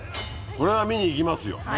これは観に行きますよ。